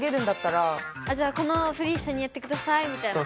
じゃあこのふりいっしょにやってくださいみたいな。